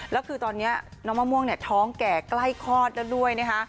แล้วคือตอนนี้น้องมะม่วงเนี่ยท้องแก่ใกล้คลอดแล้วด้วยนะคะ